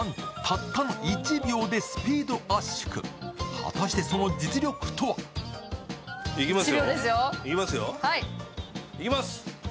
果たして、その実力とは？いきますよ。